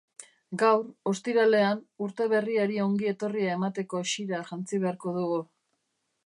Gaur, ostiralean, urte berriari ongi etorria emateko xira jantzi beharko dugu.